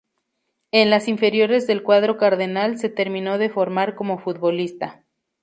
En las inferiores del cuadro cardenal, se terminó de formar como futbolista.